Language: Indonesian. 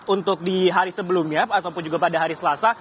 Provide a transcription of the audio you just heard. untuk di hari sebelumnya ataupun juga pada hari selasa